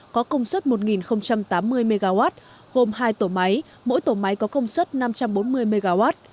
có công suất một tám mươi mw gồm hai tổ máy mỗi tổ máy có công suất năm trăm bốn mươi mw